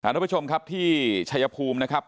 ทุกผู้ชมครับที่ชายภูมินะครับ